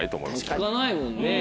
聞かないもんね。